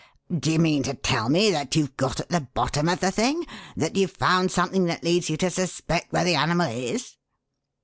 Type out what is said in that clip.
"Do you mean to tell me that you've got at the bottom of the thing? That you've found something that leads you to suspect where the animal is?"